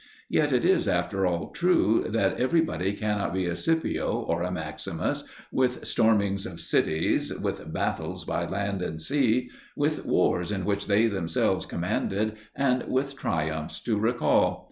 Yet it is after all true that everybody cannot be a Scipio or a Maximus, with stormings of cities, with battles by land and sea, with wars in which they themselves commanded, and with triumphs to recall.